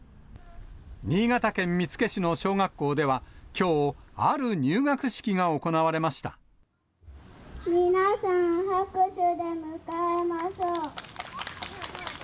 新潟県見附市の小学校では、きょう、ある入学式が行われまし皆さん、拍手で迎えましょう。